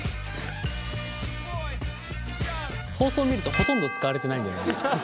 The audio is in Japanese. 放送見るとほとんど使われてないんだよね。